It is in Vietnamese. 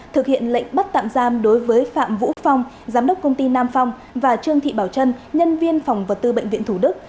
thực hiện lệnh bắt tạm giam đối với phạm vũ phong giám đốc công ty nam phong và trương thị bảo trân nhân viên phòng vật tư bệnh viện thủ đức